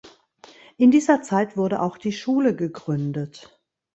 In dieser Zeit wurde auch die Schule gegründet.